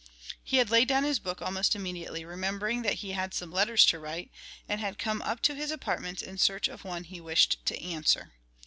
He had laid down his book almost immediately, remembering that he had some letters to write, and had come up to his apartments in search of one he wished to answer.